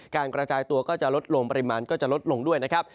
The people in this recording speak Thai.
กระจายตัวก็จะลดลงปริมาณก็จะลดลงด้วยนะครับ